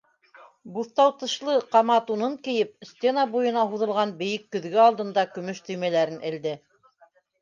Буҫтау тышлы тамаҡ тунын кейеп, стена буйына һуҙылған бейек көҙгө алдында көмөш төймәләрен элде.